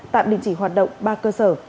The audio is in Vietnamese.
tạm định chỉ hoạt động ba cơ sở